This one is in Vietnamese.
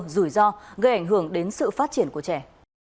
rủi ro gây ảnh hưởng đến sự phát triển của trẻ